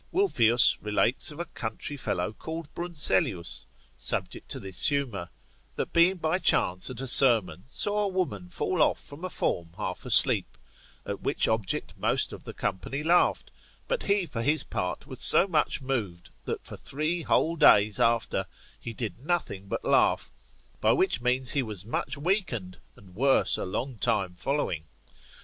Wolfius relates of a country fellow called Brunsellius, subject to this humour, that being by chance at a sermon, saw a woman fall off from a form half asleep, at which object most of the company laughed, but he for his part was so much moved, that for three whole days after he did nothing but laugh, by which means he was much weakened, and worse a long time following.